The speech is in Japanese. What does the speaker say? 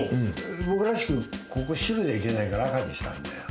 僕らしく、ここ白じゃいけないから赤にしたんだよ。